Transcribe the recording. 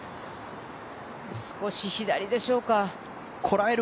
少し左でしょうか。